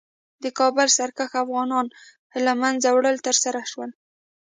د کابل سرکښه افغانانو له منځه وړل ترسره شول.